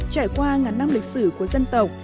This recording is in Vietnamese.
trải qua ngàn năm lịch sử của dân tộc